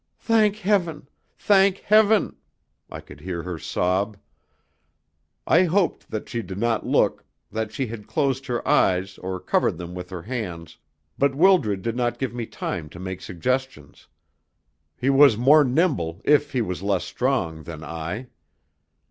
"Thank heaven! thank heaven!" I could hear her sob. I hoped that she did not look that she had closed her eyes, or covered them with her hands, but Wildred did not give me time to make suggestions. He was more nimble, if he was less strong, than I.